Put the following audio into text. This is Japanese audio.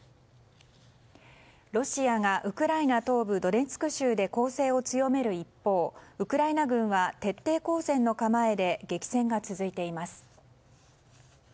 ロシアがウクライナ東部ドネツク州で攻勢を強める一方ウクライナ軍は徹底抗戦の構えで激戦が続いています。